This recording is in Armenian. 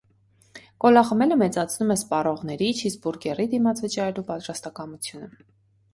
Կոլա խմելը մեծացնում է սպառողների՝ չիզբուրգերի դիմաց վճարելու պատրաստակամությունը։